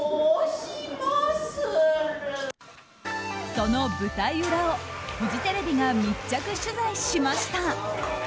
その舞台裏をフジテレビが密着取材しました。